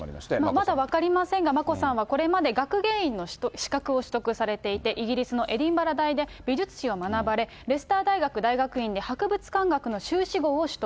まだ分かりませんが、眞子さんはこれまで学芸員の資格を取得されていて、イギリスのエディンバラ大で美術史を学ばれ、レスター大学大学院で博物館学の修士号を取得。